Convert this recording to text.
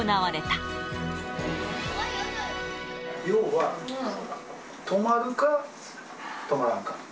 要は、泊まるか、泊まらんか。